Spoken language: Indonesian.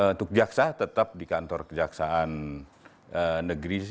untuk jaksa tetap di kantor kejaksaan negeri